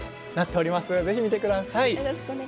ぜひ見てください。